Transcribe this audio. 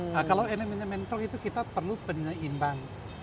nah kalau elemennya mental itu kita perlu penyeimbang